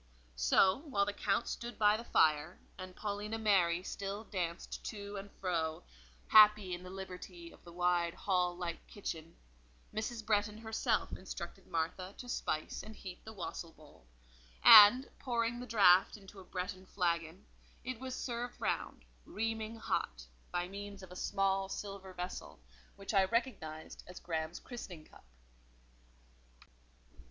So, while the Count stood by the fire, and Paulina Mary still danced to and fro—happy in the liberty of the wide hall like kitchen—Mrs. Bretton herself instructed Martha to spice and heat the wassail bowl, and, pouring the draught into a Bretton flagon, it was served round, reaming hot, by means of a small silver vessel, which I recognised as Graham's christening cup.